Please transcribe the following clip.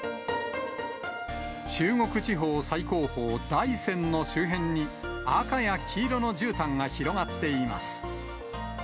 中国地方最高峰、大山の周辺に、赤や黄色のじゅうたんが広がっています。